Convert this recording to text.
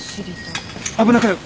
危なかよ。